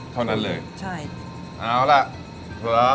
เท่านั้นเลยใช่เอาล่ะครับ